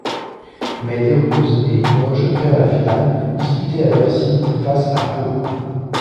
Mais Desroses et Limoges perd la finale, disputée à Bercy, face à Pau.